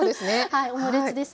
はいオムレツですね。